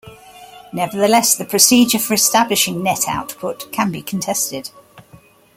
Nevertheless, the procedure for establishing net output can be contested.